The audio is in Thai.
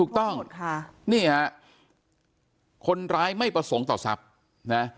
พร้อมดค่ะถูกต้องเนี่ยคนร้ายไม่ประสงค์ต่อทรัพย์นะ